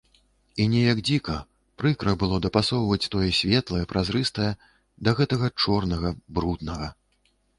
І неяк дзіка, прыкра было дапасоўваць тое светлае, празрыстае да гэтага чорнага, бруднага.